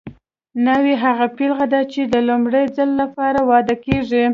ناوې هغه پېغله ده چې د لومړي ځل لپاره واده کیږي